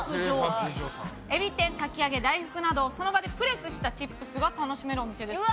えび天かき揚げ大福などをその場でプレスしたチップスが楽しめるお店ですって。